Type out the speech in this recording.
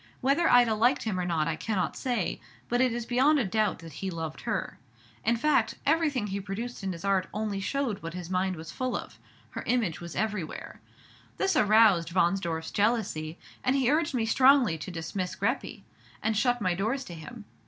Whether Ida liked him or not I cannot say; but it is beyond a doubt that he loved her. In fact, everything he produced in his art only showed what his mind was full of, her image was everywhere. This aroused Wahnsdorf's jealousy, and he urged me strongly to dismiss Greppi, and shut my doors to him.